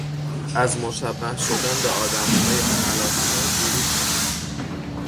از مشبه شدن به آدمهای خلافکار دوری کن